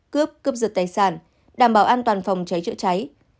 cướp cướp giật tài sản đảm bảo an toàn phòng cháy chữa cháy